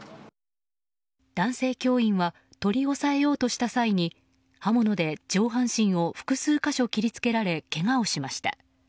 男性教員は取り押さえようとした際に刃物で上半身を複数箇所、切り付けられけがをしました。